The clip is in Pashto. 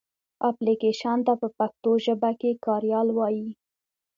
اپلکېشن ته پښتو ژبه کې کاریال وایې.